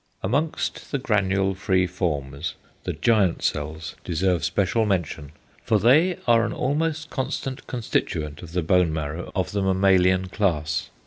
Amongst the granule free forms the =giant cells= deserve special mention, for they are an almost constant constituent of the bone marrow of the mammalian class.